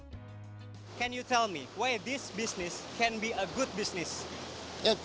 bisa beritahu saya kenapa bisnis ini bisa menjadi bisnis yang baik